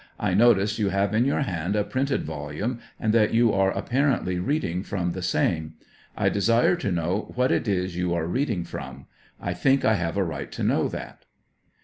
I notice you have in your hand a printed volume, and that you are apparently reading from the same ; I desire to know what it is you are reading from ; I think I have a right to know that.